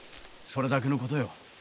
それだけの事よ。